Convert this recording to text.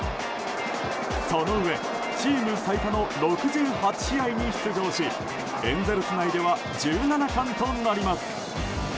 そのうえ、チーム最多の６８試合に出場しエンゼルス内では１７冠となります。